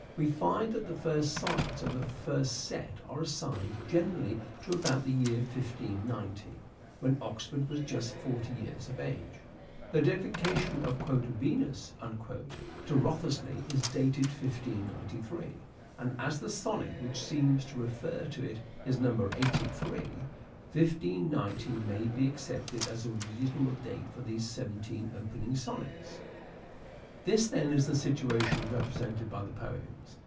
We find that the first sonnets of the first set are assigned generally to about the year 1590, when Oxford was just forty years of age. The dedication of " Venus " to Wriothesley is dated 1593; and as the sonnet which seems to refer to it is number 83, 1590 may be accepted as a reasonable date for these seventeen opening sonnets. This, then, is the situation represented by the poems.